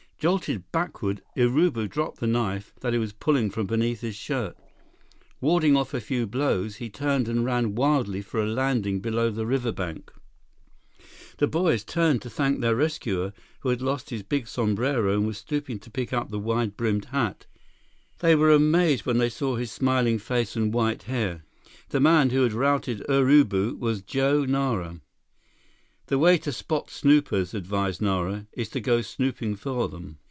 Jolted backward, Urubu dropped the knife that he was pulling from beneath his shirt. Warding off a few blows, he turned and ran wildly for a landing below the riverbank. The boys turned to thank their rescuer, who had lost his big sombrero and was stooping to pick up the wide brimmed hat. They were amazed when they saw his smiling face and white hair. The man who had routed Urubu was Joe Nara. "The way to spot snoopers," advised Nara, "is to go snooping for them.